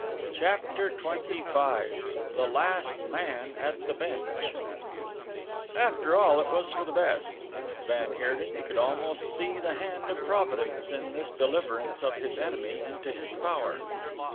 CHAPTER XXV THE LAST MAN AT THE BENCH After all, it was for the best van Heerden could almost see the hand of Providence in this deliverance of his enemy into his power.